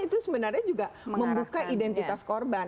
itu sebenarnya juga membuka identitas korban